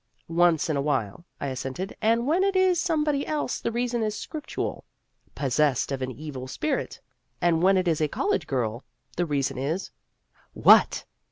"Once in a while," I assented; "and when it is somebody else, the reason is scriptural ' possessed of an evil spirit,' and when it is a college girl, the reason is " "What?"